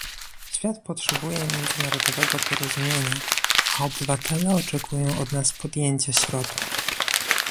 Świat potrzebuje międzynarodowego porozumienia, a obywatele oczekują od nas podjęcia środków